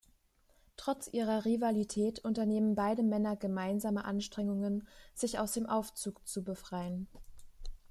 Trotz ihrer Rivalität unternehmen beide Männer gemeinsame Anstrengungen, sich aus dem Aufzug zu befreien.